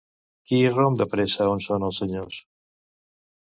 Qui irromp de pressa on són els senyors?